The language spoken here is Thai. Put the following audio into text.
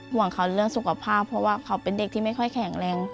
ห่วงเขาเรื่องสุขภาพเพราะว่าเขาเป็นเด็กที่ไม่ค่อยแข็งแรง